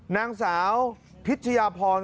นางสาวพิชยาพร